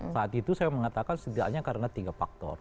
saat itu saya mengatakan setidaknya karena tiga faktor